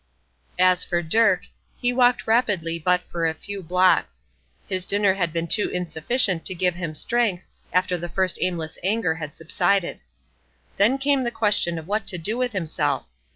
As for Dirk, he walked rapidly but for a few blocks; his dinner had been too insufficient to give him strength, after the first aimless anger had subsided. Then came the question what to do with himself.